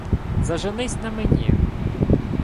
— Заженись на мені.